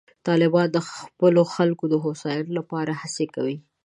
طالبان د خپلو خلکو د هوساینې لپاره هڅې کوي.